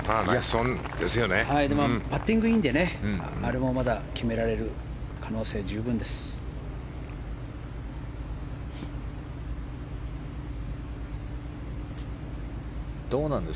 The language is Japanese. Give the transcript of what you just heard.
パッティングがいいので決められる可能性は十分です。